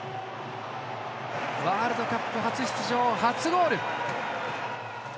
ワールドカップ初出場初ゴール！